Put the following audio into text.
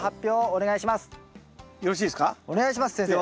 お願いします先生。